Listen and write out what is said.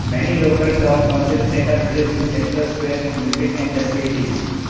Many local town councils set up grills in central squares with music and festivities.